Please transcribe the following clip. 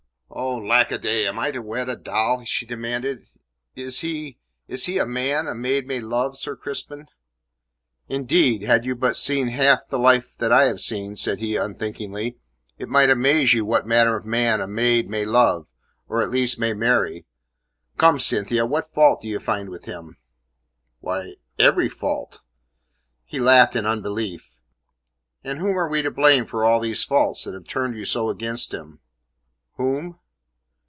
"Oh, lackaday! Am I to wed a doll?" she demanded. "Is he is he a man a maid may love, Sir Crispin?" "Indeed, had you but seen the half of life that I have seen," said he unthinkingly, "it might amaze you what manner of man a maid may love or at least may marry. Come, Cynthia, what fault do you find with him?" "Why, every fault." He laughed in unbelief. "And whom are we to blame for all these faults that have turned you so against him?" "Whom?"